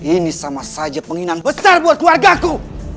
ini sama saja penginginan besar buat keluarga ku